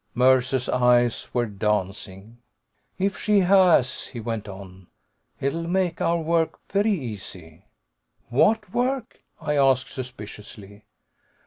Mercer's eyes were dancing. "If she has," he went on, "it'll make our work very easy." "What work?" I asked suspiciously.